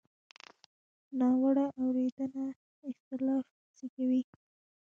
ناوړه اورېدنه اختلاف زېږوي.